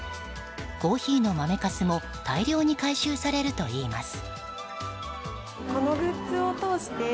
コーヒーの豆かすも大量に回収されるといいます。